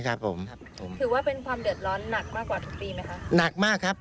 ถือว่าเป็นความเดือดร้อนหนักมากประมาณทุกปีไหมค่ะ